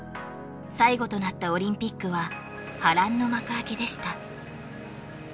最後となったオリンピックは波乱の幕開けでした